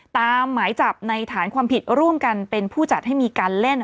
หมายจับในฐานความผิดร่วมกันเป็นผู้จัดให้มีการเล่น